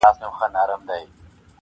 پرې کوي غاړي د خپلو اولادونو-